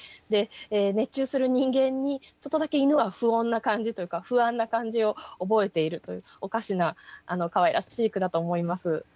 で熱中する人間にちょっとだけ犬は不穏な感じというか不安な感じを覚えているというおかしなかわいらしい句だと思います。